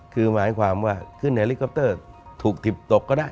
คือหมายความว่าขึ้นเฮลิคอปเตอร์ถูกถิบตกก็ได้